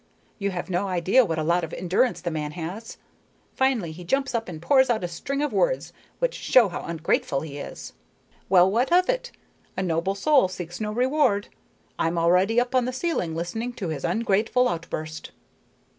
You have no idea what a lot of endurance the man has. Finally he jumps up and pours out a string of words which show how ungrateful he is. Well, what of it? A noble soul seeks no reward. I'm already up on the ceiling listening to his ungrateful outburst."